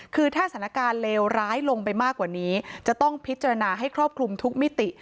คือถ้าสถานการณ์เลวร้ายลงไปมากกว่านี้จะต้องพิจารณาให้ครอบคลุมทุกมิติ